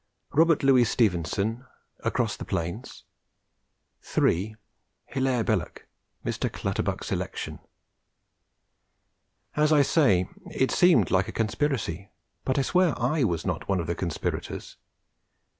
Robert Louis Stevenson: Across the Plains. 3. Hilaire Belloc: Mr. Clutterbuck's Election. As I say, it seemed like a conspiracy but I swear I was not one of the conspirators!